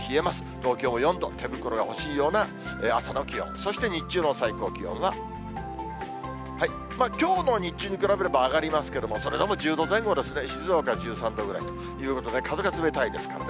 東京も４度、手袋が欲しいような朝の気温、そして日中の最高気温は、きょうの日中に比べれば上がりますけれども、それでも１０度前後ですね、静岡１３度ぐらいということで、風が冷たいですからね。